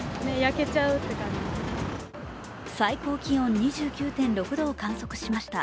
最高気温２９．６度を観測しました。